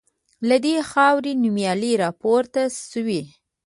له دې خاوري نومیالي راپورته سوي